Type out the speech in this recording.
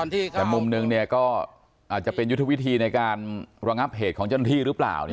แต่มุมหนึ่งก็อาจจะเป็นยุทธวิธีในการระงับเหตุของเจ้าหน้าที่หรือเปล่า